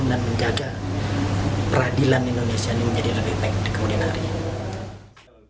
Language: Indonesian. dan menjaga peradilan indonesia ini menjadi lebih baik kemudian hari ini